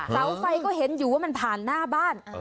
เสาไฟก็เห็นอยู่ว่ามันผ่านหน้าบ้าน